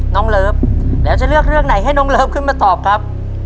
เลิฟแล้วจะเลือกเรื่องไหนให้น้องเลิฟขึ้นมาตอบครับ